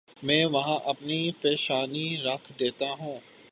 میں وہاں اپنی پیشانی رکھ دیتا ہوں۔